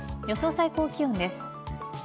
予想最高気温です。